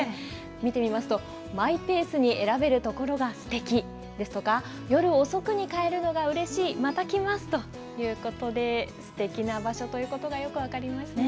見てみますと、マイペースに選べるところがすてきですとか、夜遅くに買えるのがうれしい、また来ますということで、すてきな場所ということがよく分かりましたね。